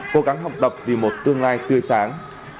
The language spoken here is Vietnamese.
cố gắng học tập vì một tương lai tươi sáng